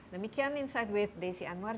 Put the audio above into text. demikian insight with desi anwar